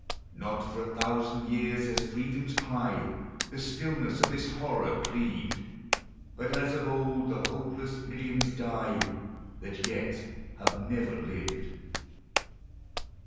Not for a thousand years has Freedom's cry The stillness of this horror cleaved, But as of old the hopeless millions die, That yet have never lived.